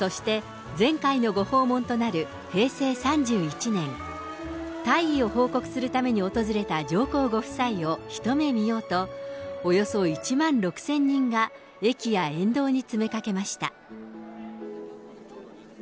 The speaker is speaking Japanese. そして、前回のご訪問となる平成３１年、退位を報告するために訪れた上皇ご夫妻を一目見ようと、およそ１万６０００人が駅や沿道に詰めかけました。